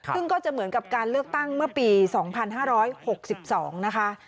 ซึ่งก็จะเหมือนกับการเลือกตั้งเมื่อปี๒๕๖๒นะคะ